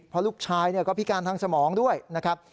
เพราะลูกชายก็พิการทางสมองด้วยนะครับ